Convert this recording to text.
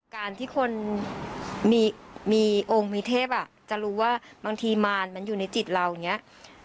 การที่คนมีองค์มีเทพจะรู้ว่าบางทีมารมันอยู่ในจิตเราอย่างนี้